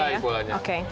harus naik bolanya